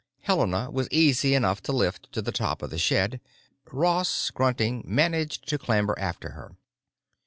Helena was easy enough to lift to the top of the shed; Ross, grunting, managed to clamber after her.